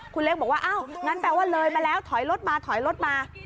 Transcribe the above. คุณเล็กเลยบอกว่าเอ้าแปลว่ามาแล้วถอยรถมา